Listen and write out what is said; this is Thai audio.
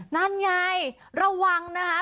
นั่นไงระวังนะคะ